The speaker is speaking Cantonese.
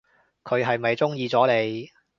佢係咪中意咗你？